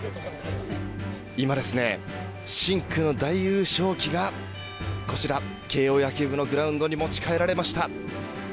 今ですね深紅の大優勝旗がこちら、慶応野球部のグラウンドに持ち帰られました。